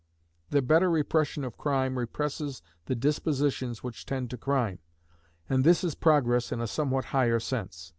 The better repression of crime represses the dispositions which tend to crime, and this is Progress in a somewhat higher sense.